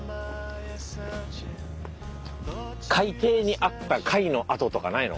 海底にあった貝の跡とかないの？